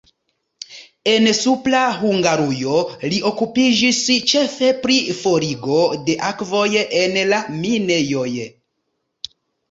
En Supra Hungarujo li okupiĝis ĉefe pri forigo de akvoj en la minejoj.